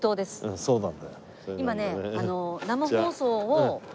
そうなんだ。